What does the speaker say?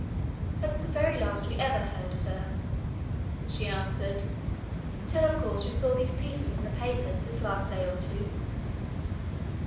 "That's the very last we ever heard, sir," she answered. "Till, of course, we saw these pieces in the papers this last day or two."